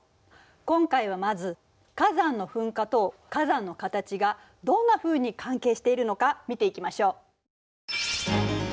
今回はまず火山の噴火と火山の形がどんなふうに関係しているのか見ていきましょう。